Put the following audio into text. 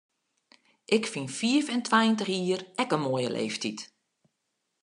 Ik fyn fiif en tweintich jier ek in moaie leeftyd.